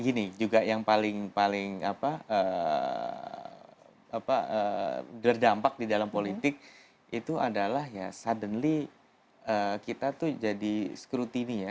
gini juga yang paling berdampak di dalam politik itu adalah ya suddenly kita tuh jadi scrutini ya